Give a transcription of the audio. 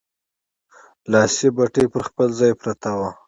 لاسي بتۍ پر خپل ځای پرته وه.